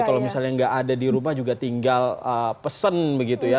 kalau misalnya nggak ada di rumah juga tinggal pesen begitu ya